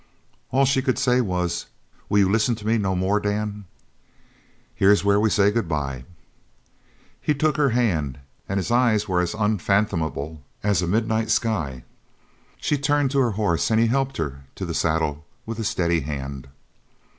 All she could say was: "Will you listen to me no more, Dan?" "Here's where we say good bye." He took her hand and his eyes were as unfathomable as a midnight sky. She turned to her horse and he helped her to the saddle with a steady hand.